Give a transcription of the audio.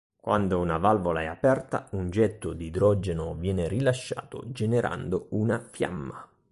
Quando una valvola è aperta, un getto di idrogeno viene rilasciato generando una fiamma.